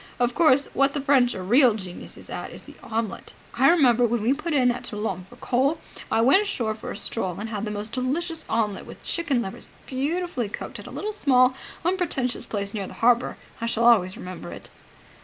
Of course, what the French are real geniuses at is the omelet. I remember, when we put in at Toulon for coal, I went ashore for a stroll, and had the most delicious omelet with chicken livers beautifully cooked, at quite a small, unpretentious place near the harbour. I shall always remember it."